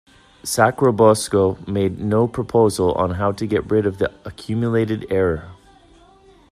Sacrobosco made no proposal on how to get rid of the accumulated error.